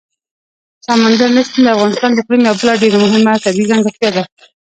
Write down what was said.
سمندر نه شتون د افغانستان د اقلیم یوه بله ډېره مهمه طبیعي ځانګړتیا ده.